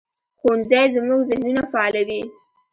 ښوونځی زموږ ذهنونه فعالوي